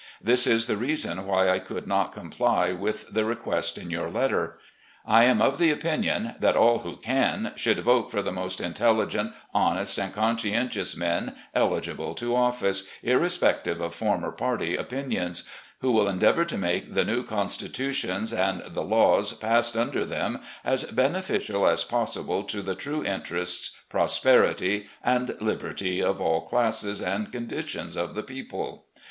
This is the reason why I could not comply with the request in your letter. I am of the opinion that all who can should vote for the most intelligent, honest, and conscientious men eligible to office, irrespective of former party opinions, who will endeavour to make the new constitutions and the laws passed under them as beneficial as possible to the true interests, prosperity, and liberty of all classes and conditions of the people.